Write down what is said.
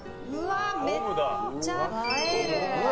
めっちゃ映える！